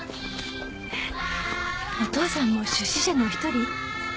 お父さんも出資者の１人？